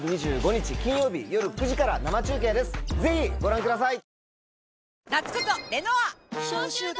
ぜひご覧ください。